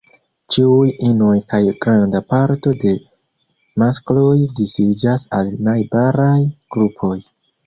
Ĉiuj inoj kaj granda parto de maskloj disiĝas al najbaraj grupoj.